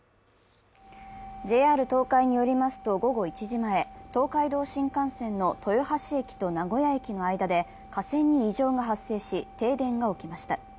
ＪＲ東海によりますと、午後１時前、東海道新幹線の豊橋駅と名古屋駅の間で、架線に異常が発生し、停電が起きました。